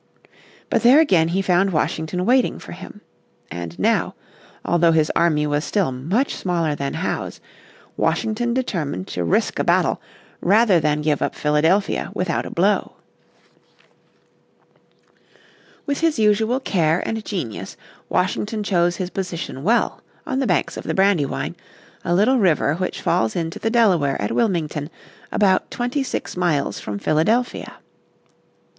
But there again he found Washington waiting for him. And now, although his army was still much smaller than Howe's, Washington determined to risk a battle rather than give up Philadelphia without a blow. With his usual care and genius Washington chose his position well, on the banks of the Brandywine, a little river which falls into the Delaware at Wilmington about twenty six miles from Philadelphia.